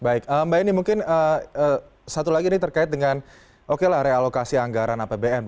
baik mbak eni mungkin satu lagi ini terkait dengan oke lah realokasi anggaran apbn